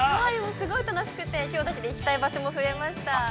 ◆すごい楽しくてきょうだけで行きたい場所も増えました。